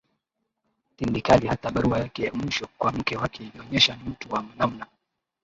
tindikali hata barua yake ya mwisho kwa mke wake ilionyesha ni mtu wa namna